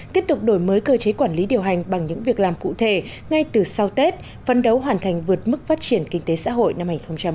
tiếp tục đổi mới cơ chế quản lý điều hành bằng những việc làm cụ thể ngay từ sau tết phân đấu hoàn thành vượt mức phát triển kinh tế xã hội năm hai nghìn hai mươi